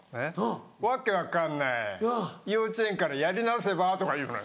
訳分かんない幼稚園からやり直せば？」とか言うのよ。